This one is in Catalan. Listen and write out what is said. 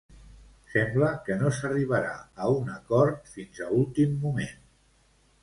Sembla que no s'arribarà a un acord fins a últim moment.